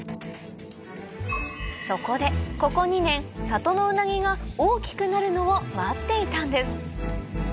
そこでここ２年里のウナギが大きくなるのを待っていたんです